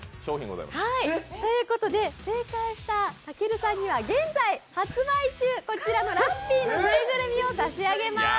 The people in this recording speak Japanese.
正解した、たけるさんには現在発売中、こちらのラッピーの縫いぐるみを差し上げます。